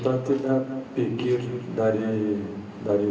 kita tidak pikir dari dua ribu tujuh belas